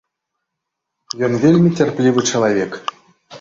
Ён вельмі цярплівы чалавек.